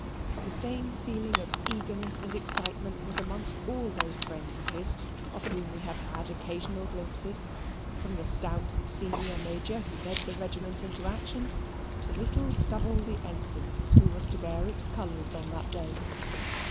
The same feeling of eagerness and excitement was amongst all those friends of his of whom we have had occasional glimpses, from the stout senior Major, who led the regiment into action, to little Stubble, the Ensign, who was to bear its colours on that day.